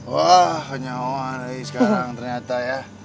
wah kenyawaan lagi sekarang ternyata ya